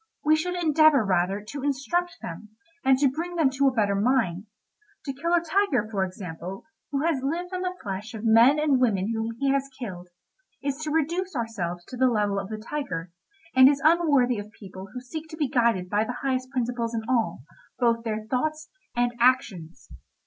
We should endeavour, rather, to instruct them, and bring them to a better mind. To kill a tiger, for example, who has lived on the flesh of men and women whom he has killed, is to reduce ourselves to the level of the tiger, and is unworthy of people who seek to be guided by the highest principles in all, both their thoughts and actions.